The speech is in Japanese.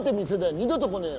二度と来ねえよ！